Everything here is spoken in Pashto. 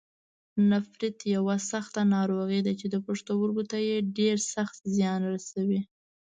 نفریت یوه سخته ناروغي ده چې پښتورګو ته ډېر سخت زیان رسوي.